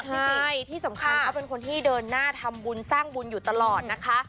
จริงที่สำคัญเขาเป็นคนที่เดินหน้าทำบุญสร้างบุญอยู่ตลอดนะคะ